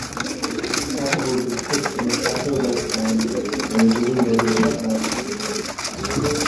Its copper roof is pitched in a chateau-like design and is illuminated at night.